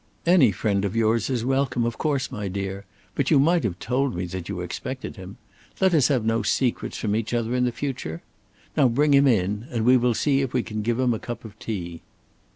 "Any friend of yours is welcome, of course, my dear. But you might have told me that you expected him. Let us have no secrets from each other in the future? Now bring him in, and we will see if we can give him a cup of tea."